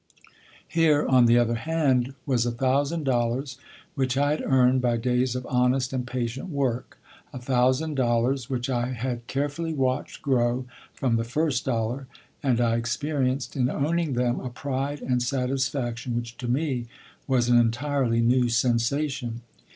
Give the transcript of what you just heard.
Here, on the other hand, was a thousand dollars which I had earned by days of honest and patient work, a thousand dollars which I had carefully watched grow from the first dollar; and I experienced, in owning them, a pride and satisfaction which to me was an entirely new sensation.